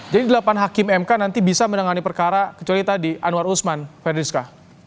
jadi delapan hakim mk nanti bisa menangani perkara kecuali tadi anwar usman ferdinika